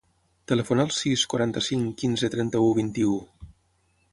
Telefona al sis, quaranta-cinc, quinze, trenta-u, vint-i-u.